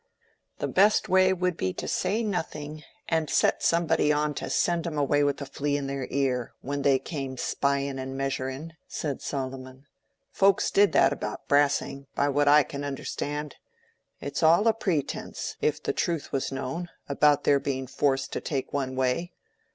"The best way would be to say nothing, and set somebody on to send 'em away with a flea in their ear, when they came spying and measuring," said Solomon. "Folks did that about Brassing, by what I can understand. It's all a pretence, if the truth was known, about their being forced to take one way.